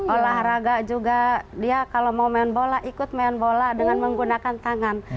olahraga juga dia kalau mau main bola ikut main bola dengan menggunakan tangan